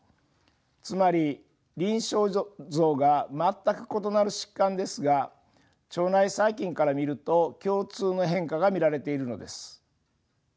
つまり臨床像が全く異なる疾患ですが腸内細菌から見ると共通の変化が見られているのです。